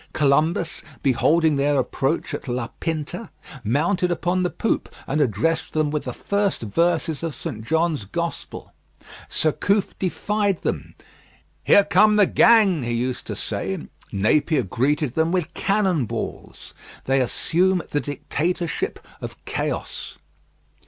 Columbus, beholding their approach at La Pinta, mounted upon the poop, and addressed them with the first verses of St. John's Gospel. Surcouf defied them: "Here come the gang," he used to say. Napier greeted them with cannon balls. They assume the dictatorship of chaos.